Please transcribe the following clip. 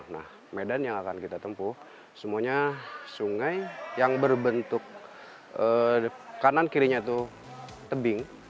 nah medan yang akan kita tempuh semuanya sungai yang berbentuk kanan kirinya itu tebing